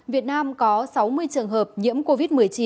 việt nam có sáu mươi trường hợp nhiễm covid một mươi chín